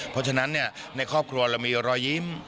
เพราะฉะนั้นในครอบครัวเรามีรอยยิ้ม